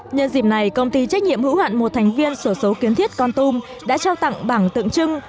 nhân dịp này công ty trách nhiệm hữu hạn một thành viên sổ số kiến thiết con tum đã trao tặng bảng tượng trưng